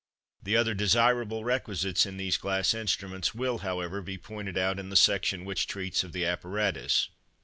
The other desirable requisites in these glass instruments will, however, be pointed out in the section which treats of the apparatus.